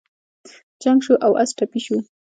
جنګ شو او اس ټپي شو.